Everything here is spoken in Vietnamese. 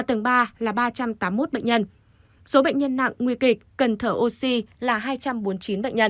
tầng ba là ba trăm tám mươi một bệnh nhân số bệnh nhân nặng nguy kịch cần thở oxy là hai trăm bốn mươi chín bệnh nhân